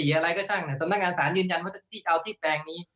อะไรก็ช่างสำนักงานศาลยืนยันว่าที่จะเอาที่แปลงนี้